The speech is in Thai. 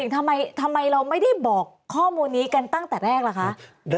ทำไมเราไม่ได้บอกข้อมูลนี้กันตั้งแต่แรกล่ะคะ